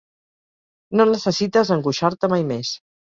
No necessites angoixar-te mai més.